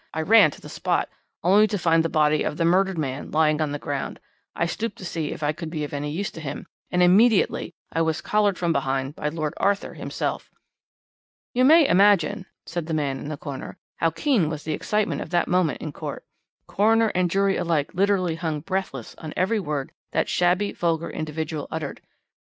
I ran to the spot, only to find the body of the murdered man lying on the ground. I stooped to see if I could be of any use to him, and immediately I was collared from behind by Lord Arthur himself.' "You may imagine," said the man in the corner, "how keen was the excitement of that moment in court. Coroner and jury alike literally hung breathless on every word that shabby, vulgar individual uttered.